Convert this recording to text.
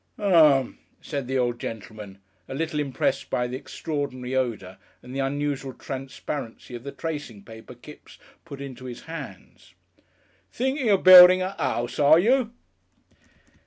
"Um," said the old gentleman, a little impressed by the extraordinary odour and the unusual transparency of the tracing paper Kipps put into his hands. "Thinking of building a 'ouse, are you?"